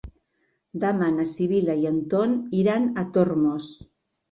Demà na Sibil·la i en Ton iran a Tormos.